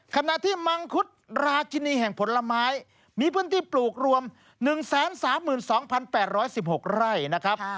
ขณะที่มังคุดราชินีแห่งผลไม้มีพื้นที่ปลูกรวม๑๓๒๘๑๖ไร่นะครับ